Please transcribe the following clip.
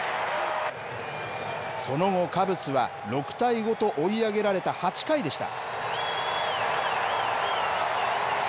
その後、カブスは６対５と追い上げられた８回でした。